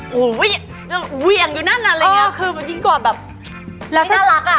โอ้โหวิ่งอยู่นั่นน่ะอะไรอย่างนี้คือมันยิ่งกว่าแบบไม่น่ารักอะ